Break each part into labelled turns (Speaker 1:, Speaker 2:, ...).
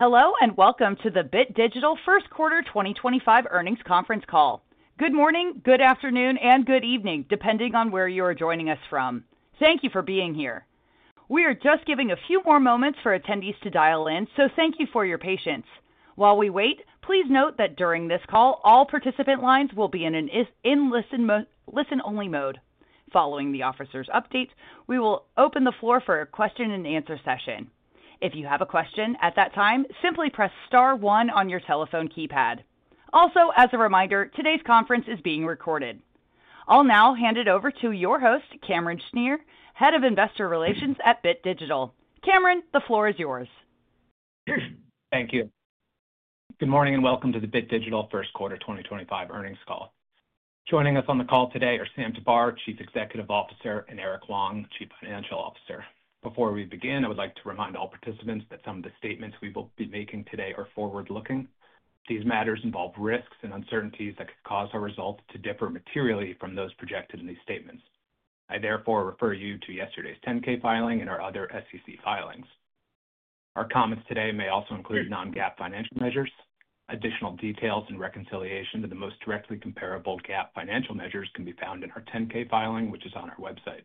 Speaker 1: Hello, and welcome to the Bit Digital First Quarter 2025 earnings conference call. Good morning, good afternoon, and good evening, depending on where you are joining us from. Thank you for being here. We are just giving a few more moments for attendees to dial in, so thank you for your patience. While we wait, please note that during this call, all participant lines will be in a listen-only mode. Following the officers' updates, we will open the floor for a question-and-answer session. If you have a question at that time, simply press star one on your telephone keypad. Also, as a reminder, today's conference is being recorded. I'll now hand it over to your host, Cameron Schnier, Head of Investor Relations at Bit Digital. Cameron, the floor is yours.
Speaker 2: Thank you. Good morning, and welcome to the Bit Digital First Quarter 2025 earnings call. Joining us on the call today are Sam Tabar, Chief Executive Officer, and Eric Huang, Chief Financial Officer. Before we begin, I would like to remind all participants that some of the statements we will be making today are forward-looking. These matters involve risks and uncertainties that could cause our results to differ materially from those projected in these statements. I therefore refer you to yesterday's 10-K filing and our other SEC filings. Our comments today may also include non-GAAP financial measures. Additional details and reconciliation to the most directly comparable GAAP financial measures can be found in our 10-K filing, which is on our website.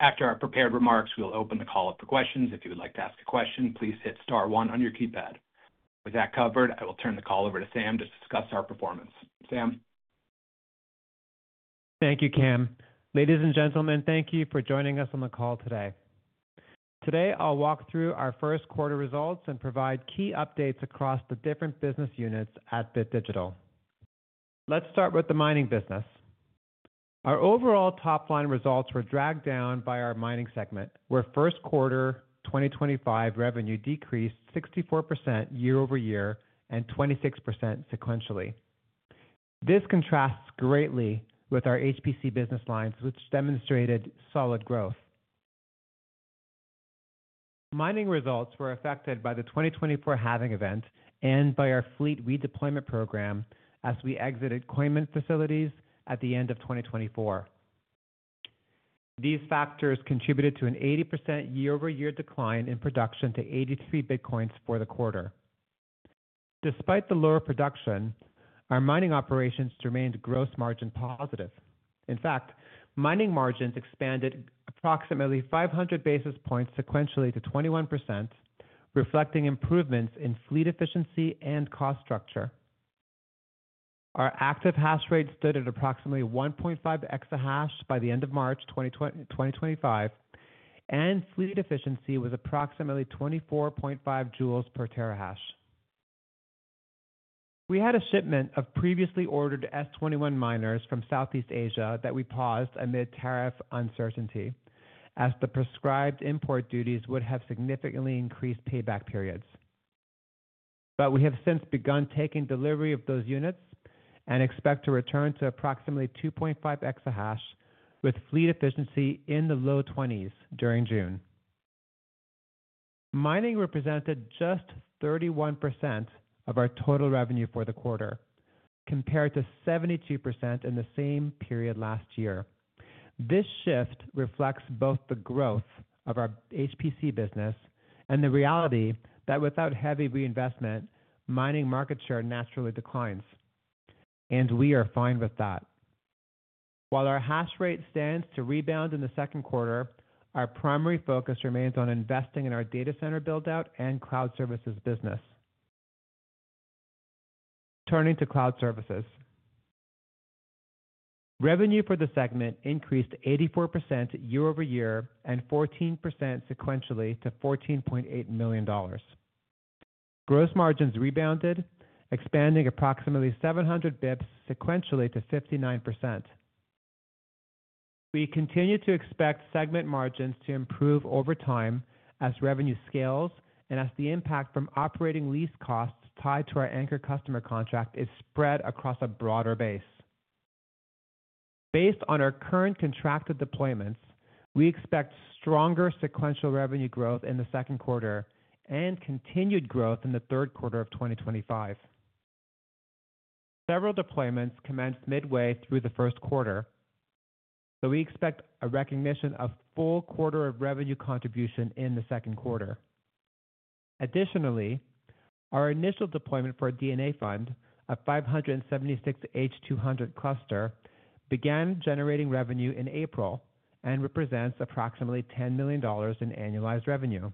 Speaker 2: After our prepared remarks, we will open the call up for questions. If you would like to ask a question, please hit star one on your keypad. With that covered, I will turn the call over to Sam to discuss our performance. Sam.
Speaker 3: Thank you, Cam. Ladies and gentlemen, thank you for joining us on the call today. Today, I'll walk through our first quarter results and provide key updates across the different business units at Bit Digital. Let's start with the mining business. Our overall top-line results were dragged down by our mining segment, where first quarter 2025 revenue decreased 64% year-over-year and 26% sequentially. This contrasts greatly with our HPC business lines, which demonstrated solid growth. Mining results were affected by the 2024 halving event and by our fleet redeployment program as we exited Coinmint facilities at the end of 2024. These factors contributed to an 80% year-over-year decline in production to 83 bitcoins for the quarter. Despite the lower production, our mining operations remained gross margin positive. In fact, mining margins expanded approximately 500 basis points sequentially to 21%, reflecting improvements in fleet efficiency and cost structure. Our active hash rate stood at approximately 1.5 exahash by the end of March 2025, and fleet efficiency was approximately 24.5 joules per terahash. We had a shipment of previously ordered S21 miners from Southeast Asia that we paused amid tariff uncertainty, as the prescribed import duties would have significantly increased payback periods. We have since begun taking delivery of those units and expect to return to approximately 2.5 exahash with fleet efficiency in the low 20s during June. Mining represented just 31% of our total revenue for the quarter, compared to 72% in the same period last year. This shift reflects both the growth of our HPC business and the reality that without heavy reinvestment, mining market share naturally declines, and we are fine with that. While our hash rate stands to rebound in the second quarter, our primary focus remains on investing in our data center buildout and cloud services business. Turning to cloud services, revenue for the segment increased 84% year-over-year and 14% sequentially to $14.8 million. Gross margins rebounded, expanding approximately 700 basis points sequentially to 59%. We continue to expect segment margins to improve over time as revenue scales and as the impact from operating lease costs tied to our anchor customer contract is spread across a broader base. Based on our current contracted deployments, we expect stronger sequential revenue growth in the second quarter and continued growth in the third quarter of 2025. Several deployments commenced midway through the first quarter, so we expect a recognition of full quarter of revenue contribution in the second quarter. Additionally, our initial deployment for a DNA Fund, a 576 H200 cluster, began generating revenue in April and represents approximately $10 million in annualized revenue.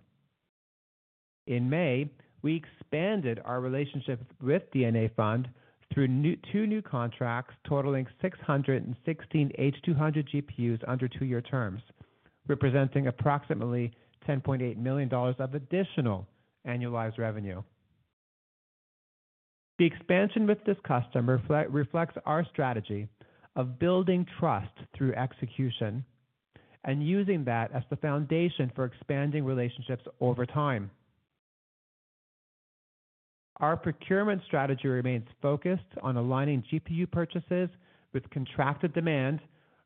Speaker 3: In May, we expanded our relationship with DNA Fund through two new contracts totaling 616 H200 GPUs under two-year terms, representing approximately $10.8 million of additional annualized revenue. The expansion with this customer reflects our strategy of building trust through execution and using that as the foundation for expanding relationships over time. Our procurement strategy remains focused on aligning GPU purchases with contracted demand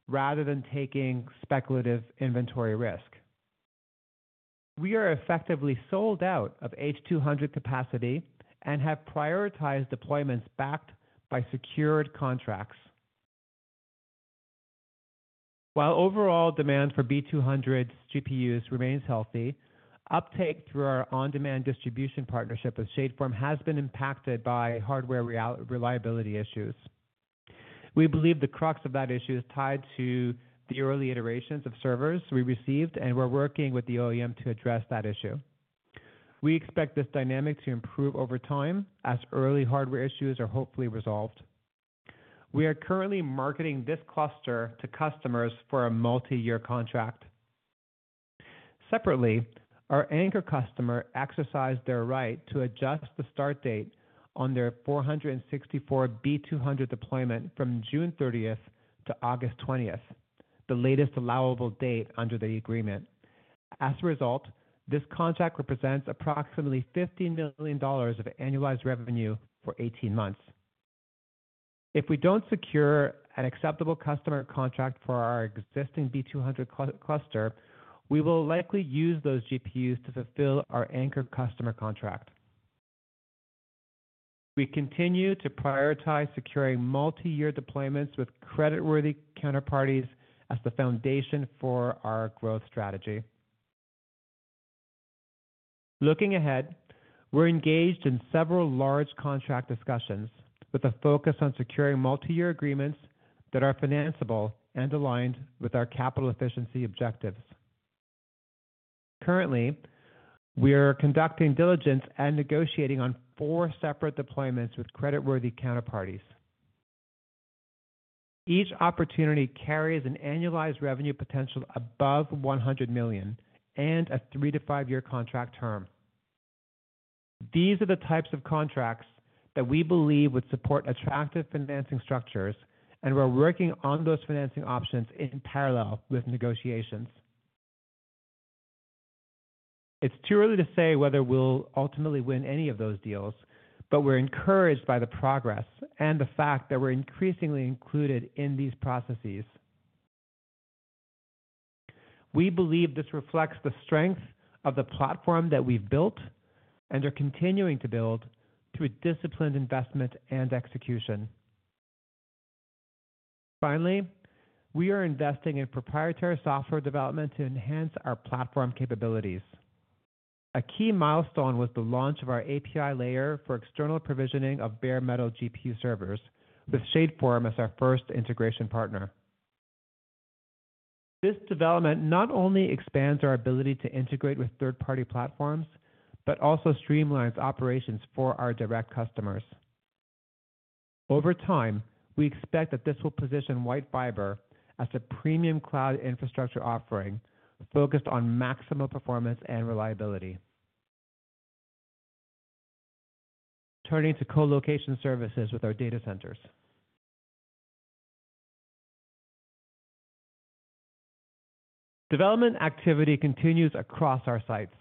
Speaker 3: rather than taking speculative inventory risk. We are effectively sold out of H200 capacity and have prioritized deployments backed by secured contracts. While overall demand for B200 GPUs remains healthy, uptake through our on-demand distribution partnership with Shadeform has been impacted by hardware reliability issues. We believe the crux of that issue is tied to the early iterations of servers we received, and we're working with the OEM to address that issue. We expect this dynamic to improve over time as early hardware issues are hopefully resolved. We are currently marketing this cluster to customers for a multi-year contract. Separately, our anchor customer exercised their right to adjust the start date on their 464 B200 deployment from June 30th to August 20th, the latest allowable date under the agreement. As a result, this contract represents approximately $15 million of annualized revenue for 18 months. If we don't secure an acceptable customer contract for our existing B200 cluster, we will likely use those GPUs to fulfill our anchor customer contract. We continue to prioritize securing multi-year deployments with creditworthy counterparties as the foundation for our growth strategy. Looking ahead, we're engaged in several large contract discussions with a focus on securing multi-year agreements that are financeable and aligned with our capital efficiency objectives. Currently, we are conducting diligence and negotiating on four separate deployments with creditworthy counterparties. Each opportunity carries an annualized revenue potential above $100 million and a three-to-five-year contract term. These are the types of contracts that we believe would support attractive financing structures, and we're working on those financing options in parallel with negotiations. It's too early to say whether we'll ultimately win any of those deals, but we're encouraged by the progress and the fact that we're increasingly included in these processes. We believe this reflects the strength of the platform that we've built and are continuing to build through disciplined investment and execution. Finally, we are investing in proprietary software development to enhance our platform capabilities. A key milestone was the launch of our API layer for external provisioning of bare-metal GPU servers, with Shadeform as our first integration partner. This development not only expands our ability to integrate with third-party platforms, but also streamlines operations for our direct customers. Over time, we expect that this will position Bit Digital as a premium cloud infrastructure offering focused on maximum performance and reliability. Turning to colocation services with our data centers. Development activity continues across our sites.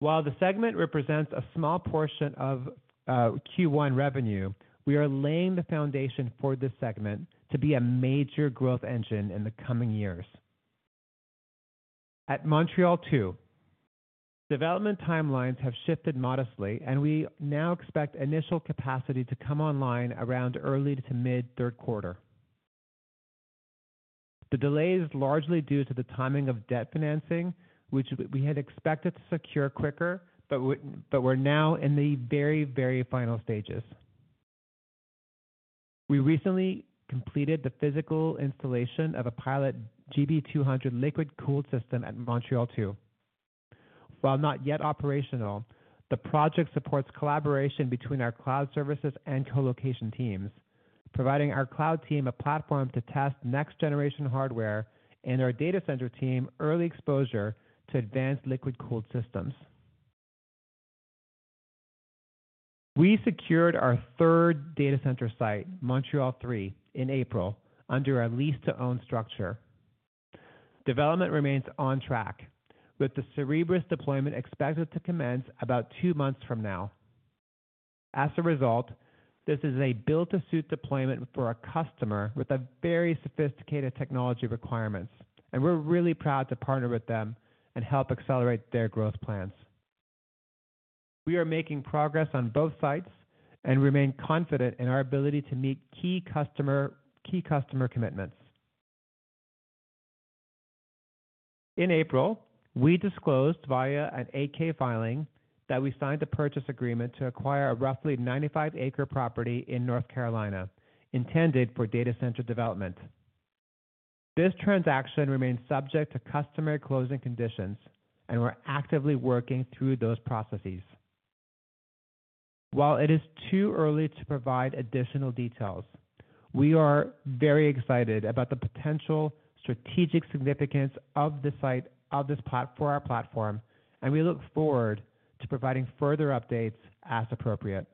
Speaker 3: While the segment represents a small portion of Q1 revenue, we are laying the foundation for this segment to be a major growth engine in the coming years. At Montreal Two, development timelines have shifted modestly, and we now expect initial capacity to come online around early to mid-third quarter. The delay is largely due to the timing of debt financing, which we had expected to secure quicker, but we're now in the very, very final stages. We recently completed the physical installation of a pilot GB200 liquid-cooled system at Montreal Two. While not yet operational, the project supports collaboration between our cloud services and colocation teams, providing our cloud team a platform to test next-generation hardware and our data center team early exposure to advanced liquid-cooled systems. We secured our third data center site, Montreal Three, in April under our lease-to-own structure. Development remains on track, with the cerebrous deployment expected to commence about two months from now. As a result, this is a built-to-suit deployment for a customer with very sophisticated technology requirements, and we're really proud to partner with them and help accelerate their growth plans. We are making progress on both sites and remain confident in our ability to meet key customer commitments. In April, we disclosed via an AK filing that we signed a purchase agreement to acquire a roughly 95-acre property in North Carolina intended for data center development. This transaction remains subject to customer closing conditions, and we're actively working through those processes. While it is too early to provide additional details, we are very excited about the potential strategic significance of this site for our platform, and we look forward to providing further updates as appropriate.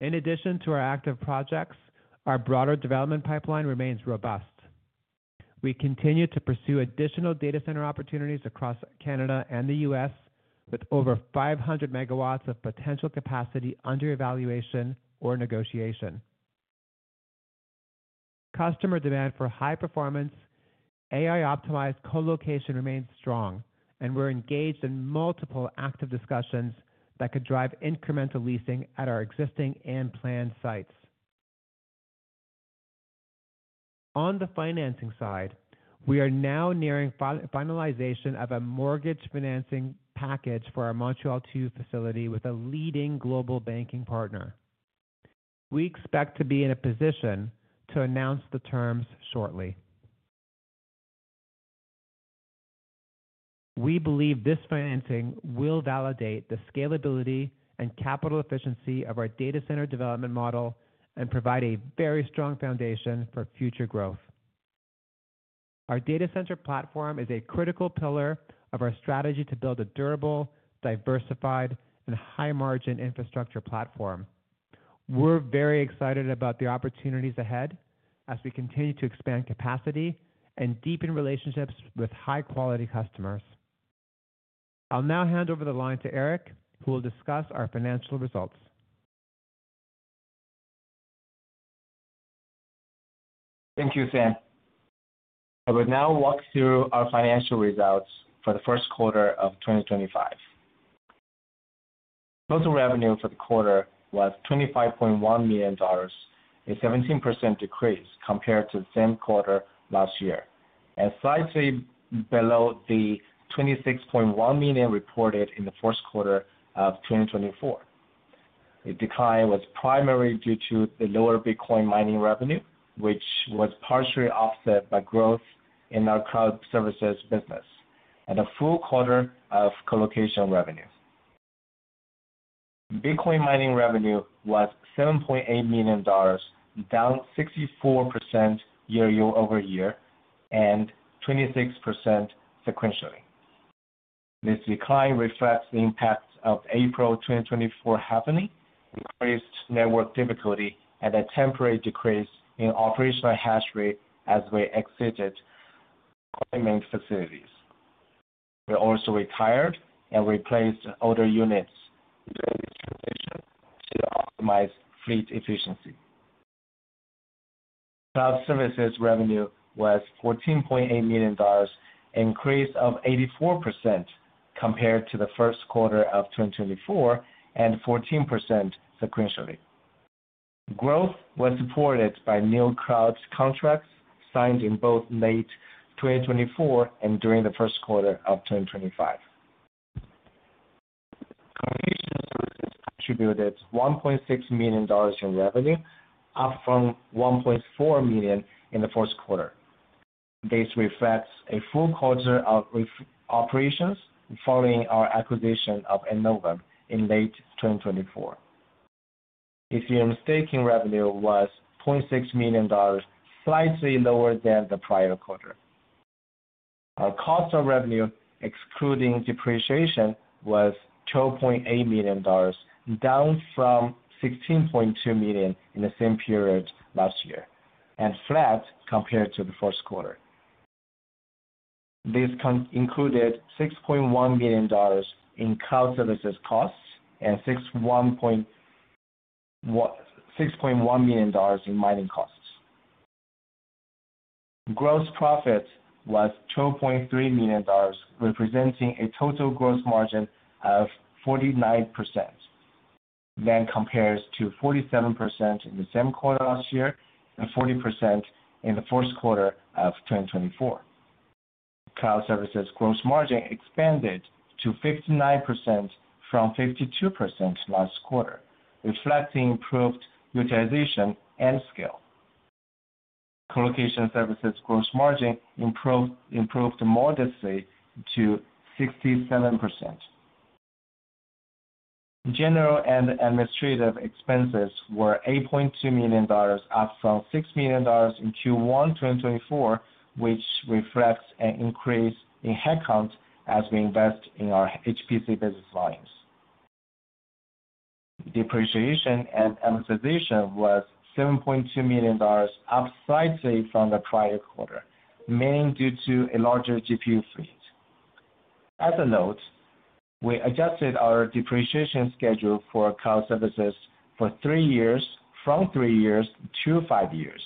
Speaker 3: In addition to our active projects, our broader development pipeline remains robust. We continue to pursue additional data center opportunities across Canada and the US, with over 500 megawatts of potential capacity under evaluation or negotiation. Customer demand for high-performance, AI-optimized colocation remains strong, and we're engaged in multiple active discussions that could drive incremental leasing at our existing and planned sites. On the financing side, we are now nearing finalization of a mortgage financing package for our Montreal Two facility with a leading global banking partner. We expect to be in a position to announce the terms shortly. We believe this financing will validate the scalability and capital efficiency of our data center development model and provide a very strong foundation for future growth. Our data center platform is a critical pillar of our strategy to build a durable, diversified, and high-margin infrastructure platform. We're very excited about the opportunities ahead as we continue to expand capacity and deepen relationships with high-quality customers. I'll now hand over the line to Eric, who will discuss our financial results.
Speaker 4: Thank you, Sam. I will now walk through our financial results for the first quarter of 2025. Total revenue for the quarter was $25.1 million, a 17% decrease compared to the same quarter last year, and slightly below the $26.1 million reported in the fourth quarter of 2024. The decline was primarily due to the lower Bitcoin mining revenue, which was partially offset by growth in our cloud services business, and a full quarter of colocation revenue. Bitcoin mining revenue was $7.8 million, down 64% year-over-year and 26% sequentially. This decline reflects the impact of April 2024 halving, increased network difficulty, and a temporary decrease in operational hash rate as we exited our main facilities. We also retired and replaced older units during this transition to optimize fleet efficiency. Cloud services revenue was $14.8 million, an increase of 84% compared to the first quarter of 2024 and 14% sequentially. Growth was supported by new cloud contracts signed in both late 2024 and during the first quarter of 2025. Colocation services contributed $1.6 million in revenue, up from $1.4 million in the fourth quarter. This reflects a full quarter of operations following our acquisition of Enovum in late 2024. Ethereum staking revenue was $0.6 million, slightly lower than the prior quarter. Our cost of revenue, excluding depreciation, was $12.8 million, down from $16.2 million in the same period last year, and flat compared to the first quarter. This included $6.1 million in cloud services costs and $6.1 million in mining costs. Gross profit was $12.3 million, representing a total gross margin of 49%, which compares to 47% in the same quarter last year and 40% in the fourth quarter of 2024. Cloud services gross margin expanded to 59% from 52% last quarter, reflecting improved utilization and scale. Colocation services gross margin improved modestly to 67%. General and administrative expenses were $8.2 million, up from $6 million in Q1 2024, which reflects an increase in headcount as we invest in our HPC business lines. Depreciation and amortization was $7.2 million, up slightly from the prior quarter, mainly due to a larger GPU fleet. As a note, we adjusted our depreciation schedule for cloud services for three years from three years to five years,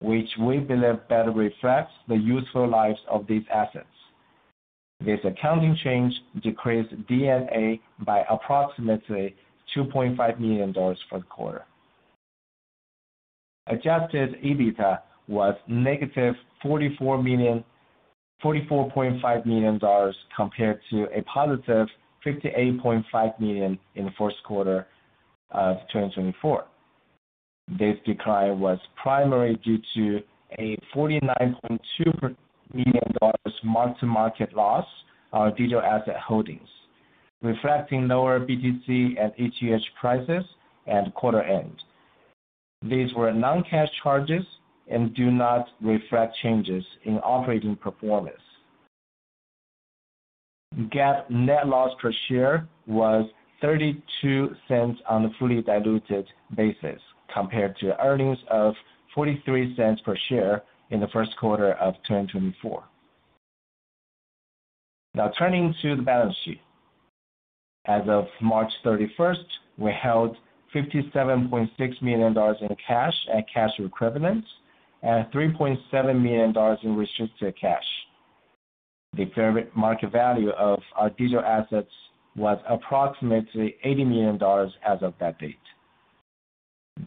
Speaker 4: which we believe better reflects the useful lives of these assets. This accounting change decreased DNA by approximately $2.5 million for the quarter. Adjusted EBITDA was negative $44.5 million compared to a positive $58.5 million in the first quarter of 2024. This decline was primarily due to a $49.2 million mark-to-market loss on our digital asset holdings, reflecting lower BTC and ETH prices at quarter end. These were non-cash charges and do not reflect changes in operating performance. GAAP net loss per share was $0.32 on a fully diluted basis compared to earnings of $0.43 per share in the first quarter of 2024. Now, turning to the balance sheet. As of March 31st, we held $57.6 million in cash and cash equivalents, and $3.7 million in restricted cash. The fair market value of our digital assets was approximately $80 million as of that date.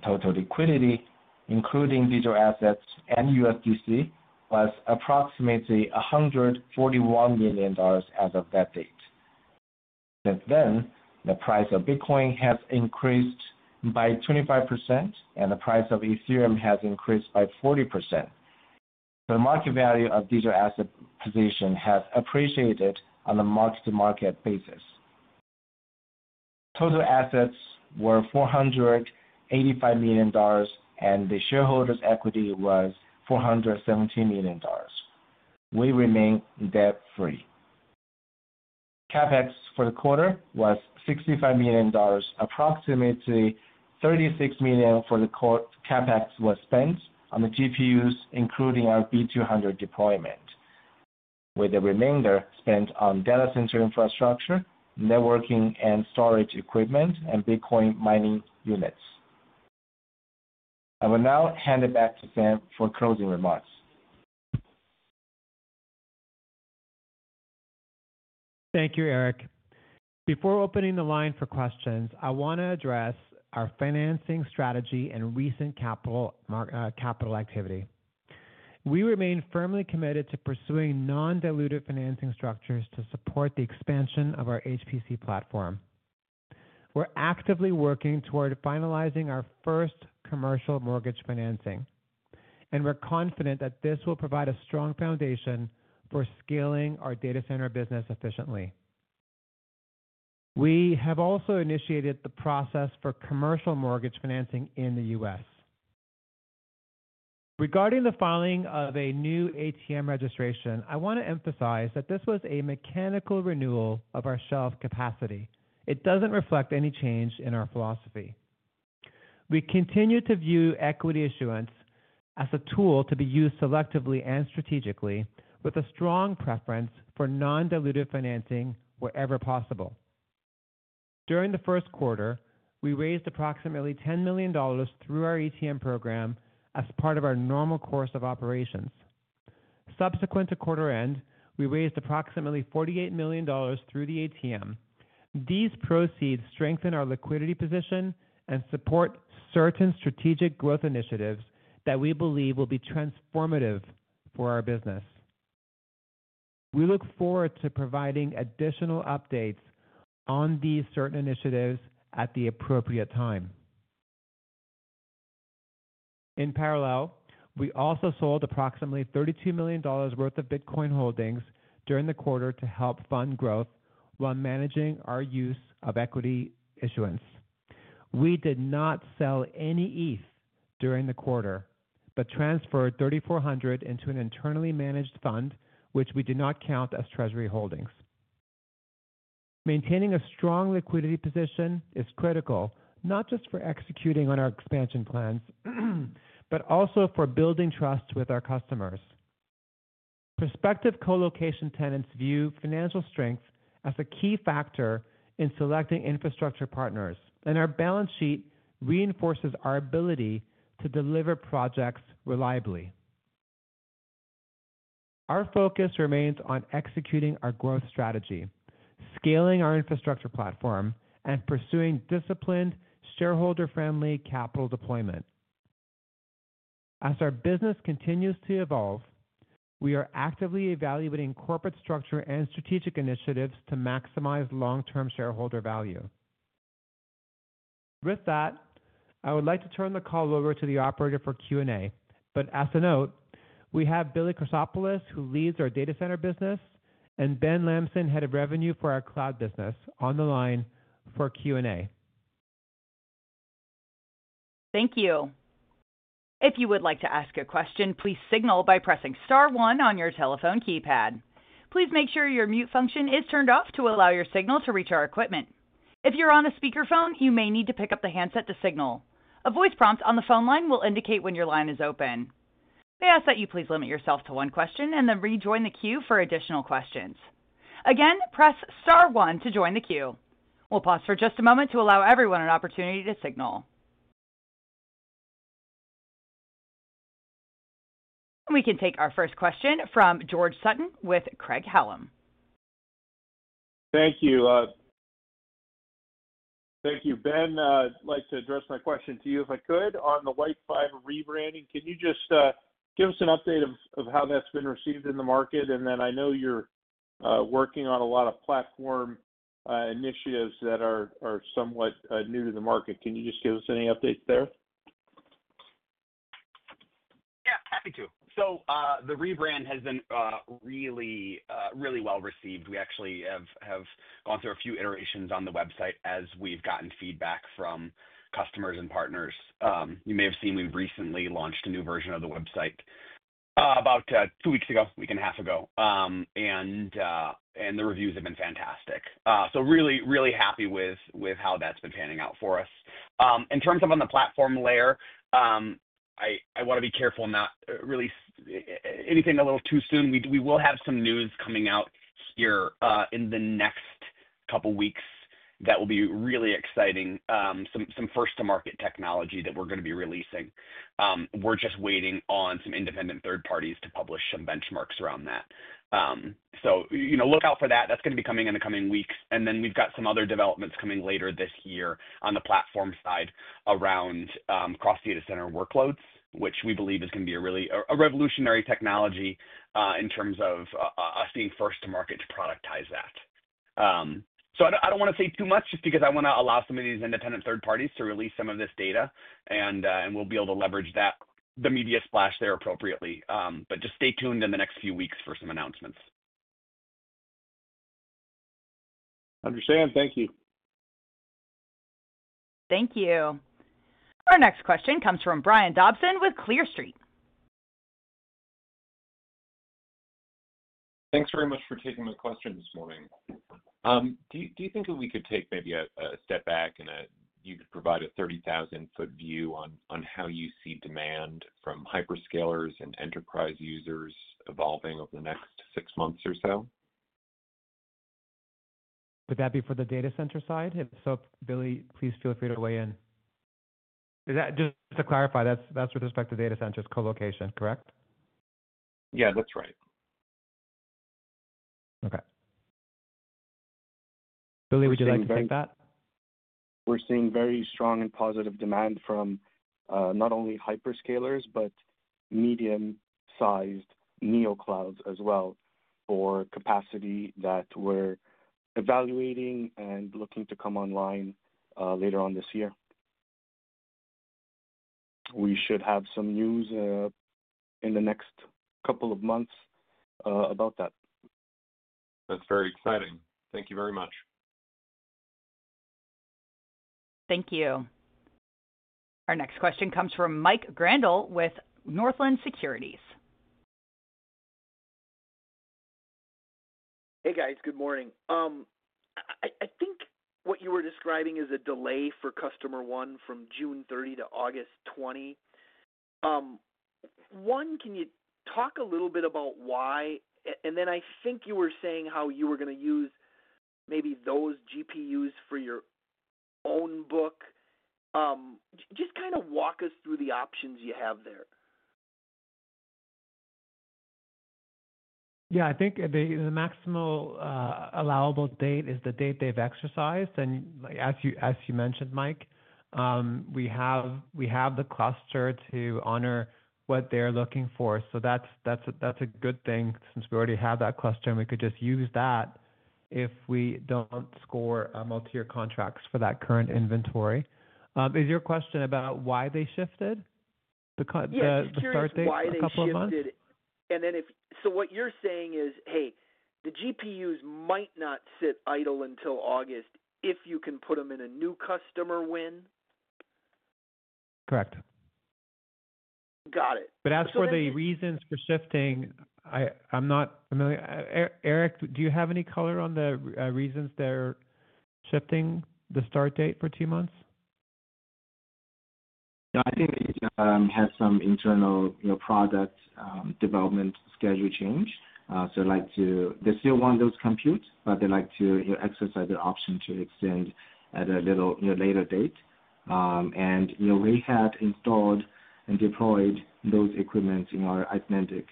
Speaker 4: Total liquidity, including digital assets and USDC, was approximately $141 million as of that date. Since then, the price of Bitcoin has increased by 25%, and the price of Ethereum has increased by 40%. The market value of digital asset position has appreciated on a mark-to-market basis. Total assets were $485 million, and the shareholders' equity was $417 million. We remain debt-free. CapEx for the quarter was $65 million, approximately $36 million for the CapEx was spent on the GPUs, including our B200 deployment, with the remainder spent on data center infrastructure, networking, and storage equipment, and Bitcoin mining units. I will now hand it back to Sam for closing remarks.
Speaker 3: Thank you, Eric. Before opening the line for questions, I want to address our financing strategy and recent capital activity. We remain firmly committed to pursuing non-diluted financing structures to support the expansion of our HPC platform. We are actively working toward finalizing our first commercial mortgage financing, and we are confident that this will provide a strong foundation for scaling our data center business efficiently. We have also initiated the process for commercial mortgage financing in the U.S. Regarding the filing of a new ATM registration, I want to emphasize that this was a mechanical renewal of our shelf capacity. It doesn't reflect any change in our philosophy. We continue to view equity issuance as a tool to be used selectively and strategically, with a strong preference for non-diluted financing wherever possible. During the first quarter, we raised approximately $10 million through our ATM program as part of our normal course of operations. Subsequent to quarter end, we raised approximately $48 million through the ATM. These proceeds strengthen our liquidity position and support certain strategic growth initiatives that we believe will be transformative for our business. We look forward to providing additional updates on these certain initiatives at the appropriate time. In parallel, we also sold approximately $32 million worth of Bitcoin holdings during the quarter to help fund growth while managing our use of equity issuance. We did not sell any ETH during the quarter, but transferred $3,400 into an internally managed fund, which we do not count as treasury holdings. Maintaining a strong liquidity position is critical not just for executing on our expansion plans, but also for building trust with our customers. Prospective colocation tenants view financial strength as a key factor in selecting infrastructure partners, and our balance sheet reinforces our ability to deliver projects reliably. Our focus remains on executing our growth strategy, scaling our infrastructure platform, and pursuing disciplined, shareholder-friendly capital deployment. As our business continues to evolve, we are actively evaluating corporate structure and strategic initiatives to maximize long-term shareholder value. With that, I would like to turn the call over to the operator for Q&A, but as a note, we have Billy Krassakopoulos, who leads our data center business, and Ben Lamson, head of revenue for our cloud business, on the line for Q&A.
Speaker 1: Thank you. If you would like to ask a question, please signal by pressing star one on your telephone keypad. Please make sure your mute function is turned off to allow your signal to reach our equipment. If you're on a speakerphone, you may need to pick up the handset to signal. A voice prompt on the phone line will indicate when your line is open. We ask that you please limit yourself to one question and then rejoin the queue for additional questions. Again, press star one to join the queue. We'll pause for just a moment to allow everyone an opportunity to signal. We can take our first question from George Sutton with Craig Hallum.
Speaker 5: Thank you. Thank you, Ben. I'd like to address my question to you if I could. On the White 5 rebranding, can you just give us an update of how that's been received in the market? And then I know you're working on a lot of platform initiatives that are somewhat new to the market. Can you just give us any updates there?
Speaker 6: Yeah, happy to. So the rebrand has been really well received. We actually have gone through a few iterations on the website as we've gotten feedback from customers and partners. You may have seen we've recently launched a new version of the website about two weeks ago, a week and a half ago, and the reviews have been fantastic. Really, really happy with how that's been panning out for us. In terms of on the platform layer, I want to be careful not to release anything a little too soon. We will have some news coming out here in the next couple of weeks that will be really exciting, some first-to-market technology that we're going to be releasing. We're just waiting on some independent third parties to publish some benchmarks around that. Look out for that. That's going to be coming in the coming weeks. We have some other developments coming later this year on the platform side around cross-data center workloads, which we believe is going to be a revolutionary technology in terms of us being first-to-market to productize that. I do not want to say too much just because I want to allow some of these independent third parties to release some of this data, and we'll be able to leverage the media splash there appropriately. Just stay tuned in the next few weeks for some announcements.
Speaker 5: Understand. Thank you.
Speaker 1: Thank you. Our next question comes from Brian Dobson with Clear Street.
Speaker 7: Thanks very much for taking my question this morning. Do you think that we could take maybe a step back and you could provide a 30,000-foot view on how you see demand from hyperscalers and enterprise users evolving over the next six months or so?
Speaker 3: Would that be for the data center side? If so, Billy, please feel free to weigh in. Just to clarify, that's with respect to data centers colocation, correct?
Speaker 7: Yeah, that's right.
Speaker 3: Okay. Billy, would you like to take that?
Speaker 8: We're seeing very strong and positive demand from not only hyperscalers, but medium-sized neoclouds as well for capacity that we're evaluating and looking to come online later on this year. We should have some news in the next couple of months about that.
Speaker 7: That's very exciting. Thank you very much.
Speaker 1: Thank you. Our next question comes from Mike Grandall with Northland Securities.
Speaker 9: Hey, guys. Good morning. I think what you were describing is a delay for Customer One from June 30 to August 20. One, can you talk a little bit about why? And then I think you were saying how you were going to use maybe those GPUs for your own book. Just kind of walk us through the options you have there.
Speaker 3: Yeah, I think the maximal allowable date is the date they've exercised. And as you mentioned, Mike, we have the cluster to honor what they're looking for. So that's a good thing since we already have that cluster, and we could just use that if we don't score multi-year contracts for that current inventory. Is your question about why they shifted the start date a couple of months?
Speaker 9: Yes, just why they shifted. If so, what you're saying is, "Hey, the GPUs might not sit idle until August if you can put them in a new customer win?"
Speaker 3: Correct.
Speaker 9: Got it.
Speaker 3: As for the reasons for shifting, I'm not familiar. Eric, do you have any color on the reasons they're shifting the start date for two months?
Speaker 4: I think they have some internal product development schedule change. They still want those compute, but they like to exercise the option to extend at a little later date. We had installed and deployed those equipments in our Atlantic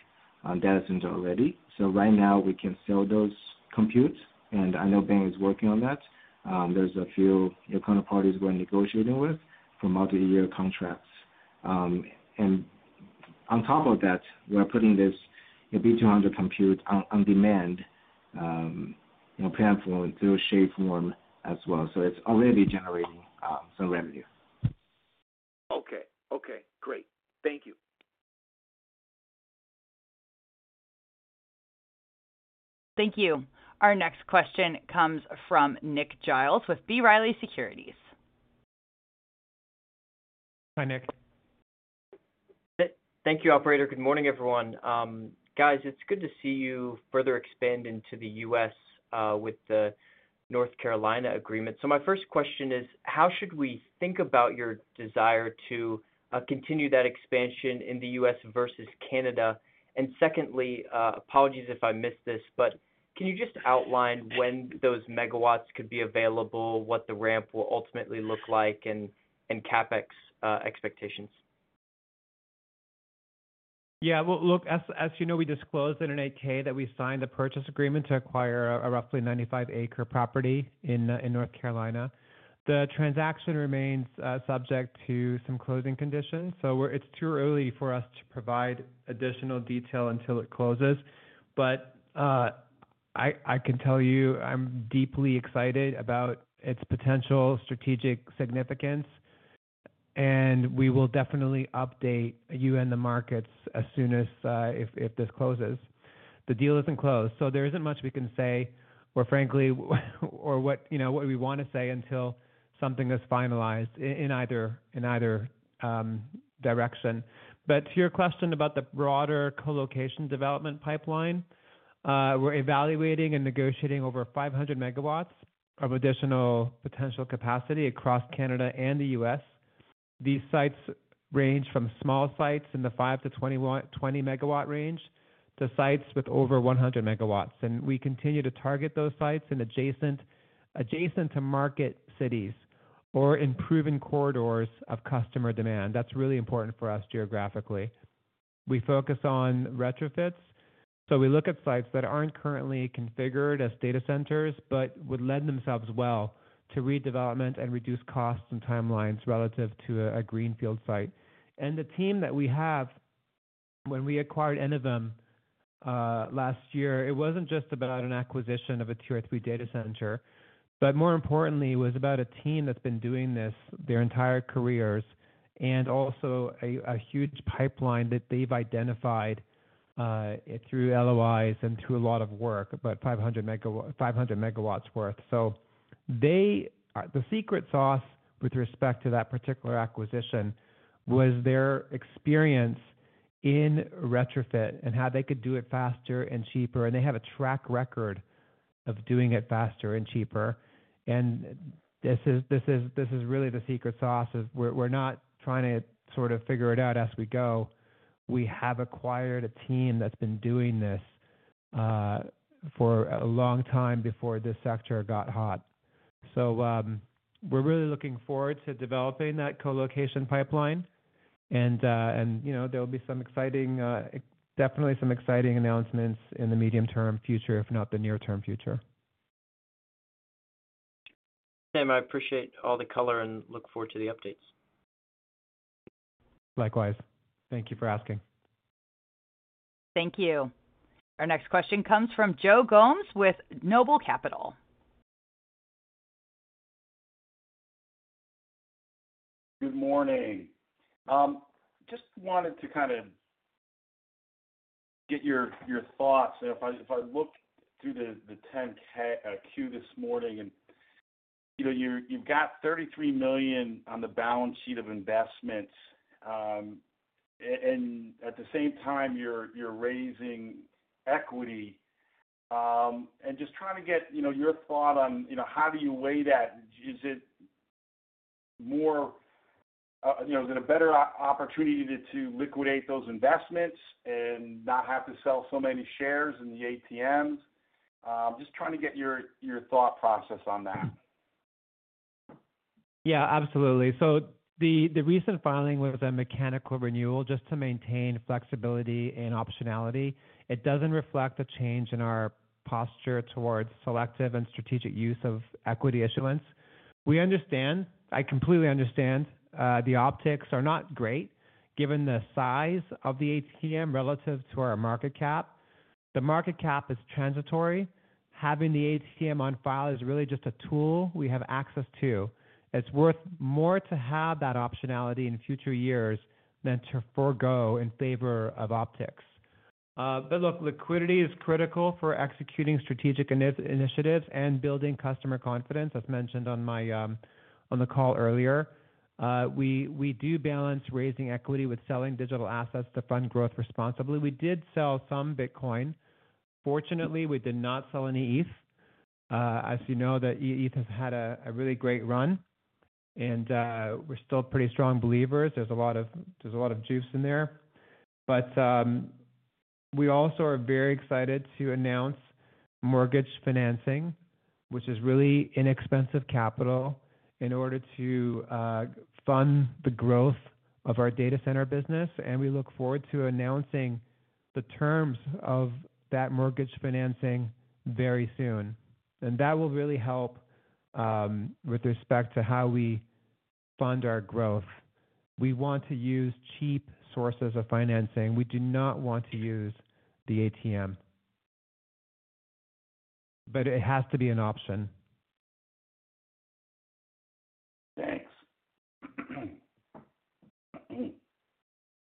Speaker 4: data center already. Right now, we can sell those compute. I know Ben is working on that. There are a few counterparties we're negotiating with for multi-year contracts. On top of that, we're putting this B200 compute on demand platform through Shadeform as well. It's already generating some revenue.
Speaker 9: Okay. Okay. Great. Thank you.
Speaker 1: Thank you. Our next question comes from Nick Giles with B. Riley Securities.
Speaker 2: Hi, Nick.
Speaker 10: Thank you, operator. Good morning, everyone. Guys, it's good to see you further expand into the U.S. with the North Carolina agreement. My first question is, how should we think about your desire to continue that expansion in the U.S. versus Canada? Secondly, apologies if I missed this, but can you just outline when those megawatts could be available, what the ramp will ultimately look like, and CapEx expectations?
Speaker 3: Yeah. As you know, we disclosed in an 8-K that we signed the purchase agreement to acquire a roughly 95-acre property in North Carolina. The transaction remains subject to some closing conditions. It is too early for us to provide additional detail until it closes. I can tell you I am deeply excited about its potential strategic significance, and we will definitely update you and the markets as soon as this closes. The deal is not closed, so there is not much we can say, or frankly, or what we want to say until something is finalized in either direction. To your question about the broader colocation development pipeline, we are evaluating and negotiating over 500 megawatts of additional potential capacity across Canada and the US. These sites range from small sites in the 5-20 MW range to sites with over 100 MW. We continue to target those sites in adjacent to market cities or in proven corridors of customer demand. That is really important for us geographically. We focus on retrofits. We look at sites that are not currently configured as data centers but would lend themselves well to redevelopment and reduce costs and timelines relative to a greenfield site. The team that we have, when we acquired Enovum last year, it was not just about an acquisition of a tier three data center, but more importantly, it was about a team that has been doing this their entire careers and also a huge pipeline that they have identified through LOIs and through a lot of work, but 500 MW worth. The secret sauce with respect to that particular acquisition was their experience in retrofit and how they could do it faster and cheaper. They have a track record of doing it faster and cheaper. This is really the secret sauce of we are not trying to sort of figure it out as we go. We have acquired a team that's been doing this for a long time before this sector got hot. So we're really looking forward to developing that colocation pipeline. And there will be some exciting, definitely some exciting announcements in the medium-term future, if not the near-term future.
Speaker 10: Sam, I appreciate all the color and look forward to the updates.
Speaker 3: Likewise. Thank you for asking.
Speaker 1: Thank you. Our next question comes from Joe Gomes with Noble Capital.
Speaker 11: Good morning. Just wanted to kind of get your thoughts. If I look through the 10-K queue this morning, you've got $33 million on the balance sheet of investments. And at the same time, you're raising equity. And just trying to get your thought on how do you weigh that? Is it more is it a better opportunity to liquidate those investments and not have to sell so many shares in the ATMs? Just trying to get your thought process on that.
Speaker 3: Yeah, absolutely. The recent filing was a mechanical renewal just to maintain flexibility and optionality. It does not reflect a change in our posture towards selective and strategic use of equity issuance. We understand. I completely understand. The optics are not great given the size of the ATM relative to our market cap. The market cap is transitory. Having the ATM on file is really just a tool we have access to. It is worth more to have that optionality in future years than to forego in favor of optics. Liquidity is critical for executing strategic initiatives and building customer confidence, as mentioned on the call earlier. We do balance raising equity with selling digital assets to fund growth responsibly. We did sell some Bitcoin. Fortunately, we did not sell any ETH. As you know, the ETH has had a really great run. And we're still pretty strong believers. There's a lot of juice in there. We also are very excited to announce mortgage financing, which is really inexpensive capital in order to fund the growth of our data center business. We look forward to announcing the terms of that mortgage financing very soon. That will really help with respect to how we fund our growth. We want to use cheap sources of financing. We do not want to use the ATM. It has to be an option.
Speaker 1: Thanks.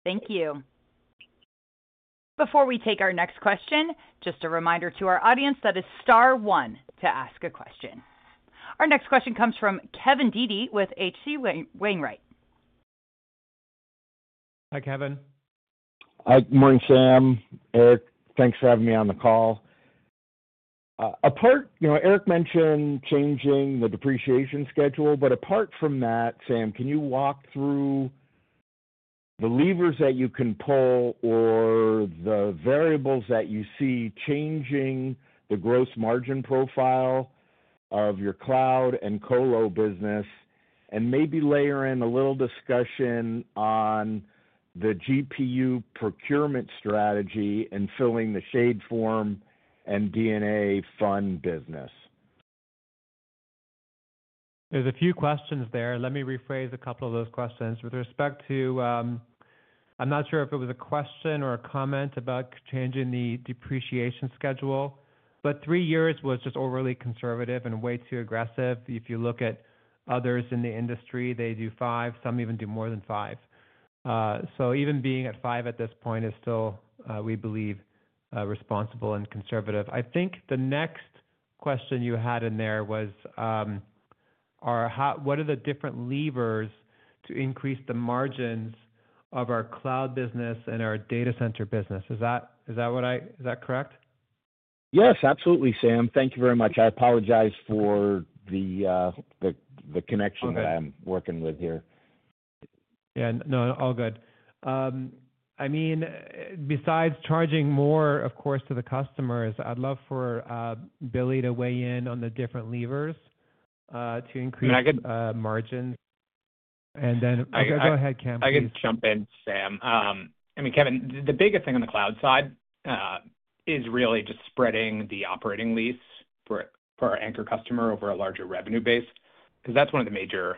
Speaker 1: Thank you. Before we take our next question, just a reminder to our audience that is star one to ask a question. Our next question comes from Kevin Dede with H.C. Wainwright.
Speaker 2: Hi, Kevin.
Speaker 12: Hi. Good morning, Sam. Eric, thanks for having me on the call. Eric mentioned changing the depreciation schedule. Apart from that, Sam, can you walk through the levers that you can pull or the variables that you see changing the gross margin profile of your cloud and colo business? Maybe layer in a little discussion on the GPU procurement strategy and filling the Shadeform and DNA Fund business.
Speaker 3: There are a few questions there. Let me rephrase a couple of those questions. With respect to, I am not sure if it was a question or a comment about changing the depreciation schedule, but three years was just overly conservative and way too aggressive. If you look at others in the industry, they do five. Some even do more than five. Even being at five at this point is still, we believe, responsible and conservative. I think the next question you had in there was, what are the different levers to increase the margins of our cloud business and our data center business? Is that what I is that correct?
Speaker 12: Yes, absolutely, Sam. Thank you very much. I apologize for the connection that I'm working with here.
Speaker 3: Yeah. No, all good. I mean, besides charging more, of course, to the customers, I'd love for Billy to weigh in on the different levers to increase margins. Go ahead, Cam, please.
Speaker 2: I can jump in, Sam. I mean, Kevin, the biggest thing on the cloud side is really just spreading the operating lease for our anchor customer over a larger revenue base because that's one of the major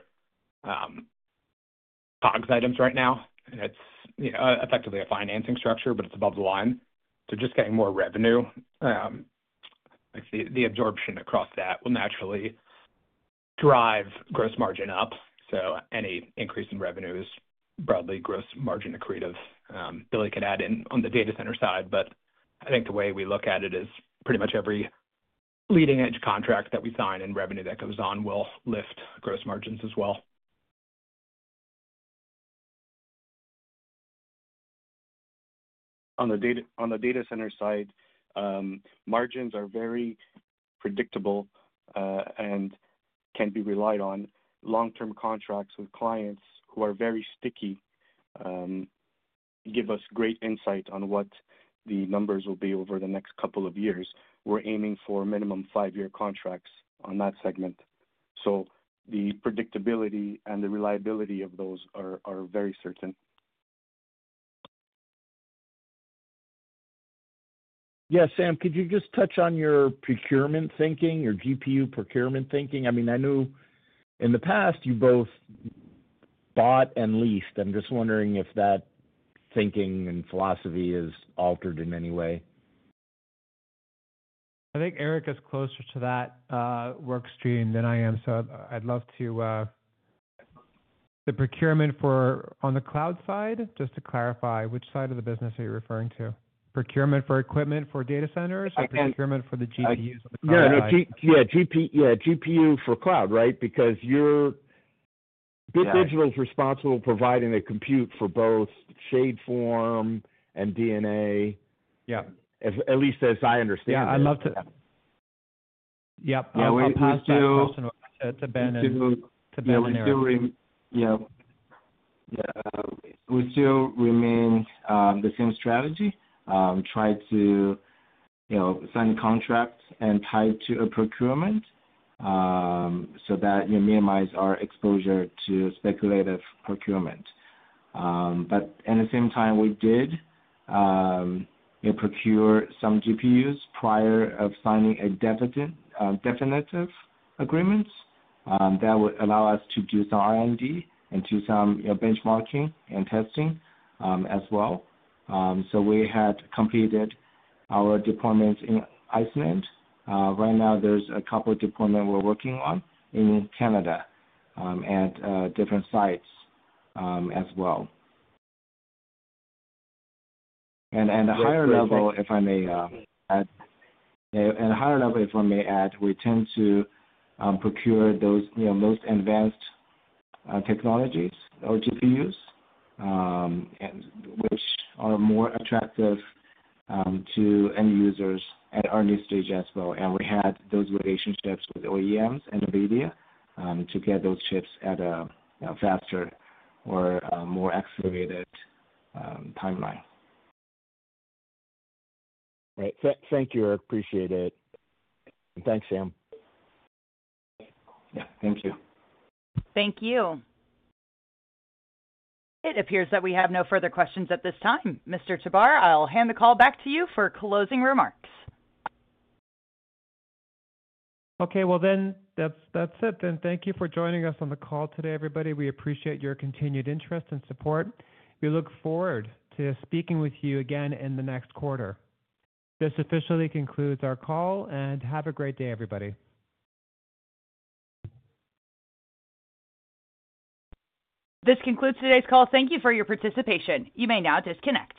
Speaker 2: cogs items right now. It's effectively a financing structure, but it's above the line. Just getting more revenue, the absorption across that will naturally drive gross margin up. Any increase in revenue is broadly gross margin accretive. Billy can add in on the data center side, but I think the way we look at it is pretty much every leading-edge contract that we sign and revenue that goes on will lift gross margins as well.
Speaker 8: On the data center side, margins are very predictable and can be relied on. Long-term contracts with clients who are very sticky give us great insight on what the numbers will be over the next couple of years. We're aiming for minimum five-year contracts on that segment. The predictability and the reliability of those are very certain.
Speaker 12: Yes, Sam, could you just touch on your procurement thinking, your GPU procurement thinking? I mean, I knew in the past you both bought and leased. I'm just wondering if that thinking and philosophy has altered in any way.
Speaker 3: I think Eric is closer to that workstream than I am. I'd love to, the procurement for on the cloud side, just to clarify, which side of the business are you referring to? Procurement for equipment for data centers or procurement for the GPUs on the cloud?
Speaker 12: Yeah. Yeah. GPU for cloud, right? Because Bit Digital is responsible for providing the compute for both Shadeform and DNA, at least as I understand it.
Speaker 3: Yeah. I'd love to, yep. I'll pass that question to Ben and to Ben and Eric.
Speaker 4: Yeah. We still remain the same strategy, try to sign a contract and tie it to a procurement so that minimize our exposure to speculative procurement. At the same time, we did procure some GPUs prior to signing a definitive agreement that would allow us to do some R&D and do some benchmarking and testing as well. We had completed our deployments in Iceland. Right now, there are a couple of deployments we are working on in Canada at different sites as well. At a higher level, if I may add, we tend to procure those most advanced technologies or GPUs, which are more attractive to end users at an early stage as well. We had those relationships with OEMs and NVIDIA to get those chips at a faster or more accelerated timeline.
Speaker 12: Right. Thank you. I appreciate it. Thanks, Sam.
Speaker 3: Yeah. Thank you.
Speaker 1: Thank you. It appears that we have no further questions at this time. Mr. Tabar, I'll hand the call back to you for closing remarks.
Speaker 3: Okay. That is it. Thank you for joining us on the call today, everybody. We appreciate your continued interest and support. We look forward to speaking with you again in the next quarter. This officially concludes our call. Have a great day, everybody.
Speaker 1: This concludes today's call. Thank you for your participation. You may now disconnect.